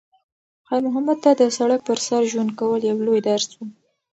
خیر محمد ته د سړک پر سر ژوند کول یو لوی درس و.